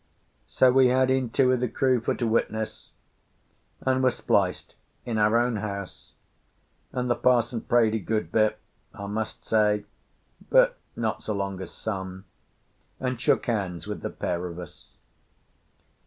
So we had in two of the crew for to witness, and were spliced in our own house; and the parson prayed a good bit, I must say—but not so long as some—and shook hands with the pair of us.